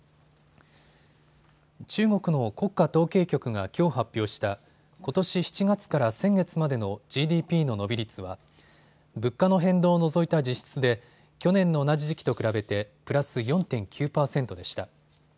中国の国家統計局がきょう発表したことし７月から先月までのＧＤＰの伸び率は物価の変動を除いた実質で去年の同じ時期と比べてプラス４．９％でした。